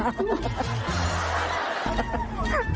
เอาไป